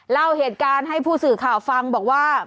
เล่าเหตุการณ์ให้ผู้สื่อข่าวฟังบอกว่า